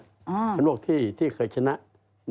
เช้าโลกที่เคยชนะแนมอันนี้